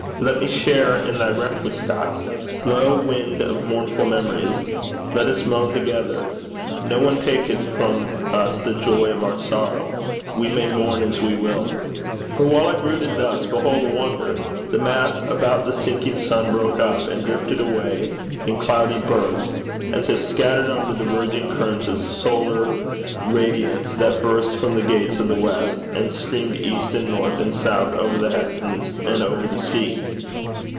Let me share in thy Requiescat. Blow, wind of mournful memories. Let us moan together. No one taketh from us the joy of our sorrow. We may mourn as we will.' But while I brooded thus, behold a wonder! The mass about the sinking sun broke up, and drifted away in cloudy bergs, as if scattered on the diverging currents of solar radiance that burst from the gates of the west, and streamed east and north and south over the heavens and over the sea.